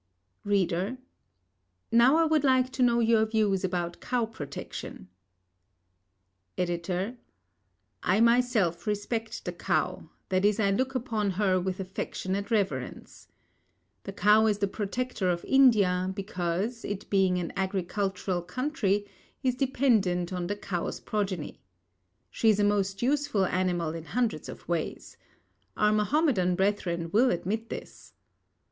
READER: Now I would like to know your views about cow protection. EDITOR: I myself respect the cow, that is I look upon her with affectionate reverence. The cow is the protector of India, because, it being an agricultural country, is dependant on the cow's progeny. She is a most useful animal in hundreds of ways. Our Mahomedan brethren will admit this.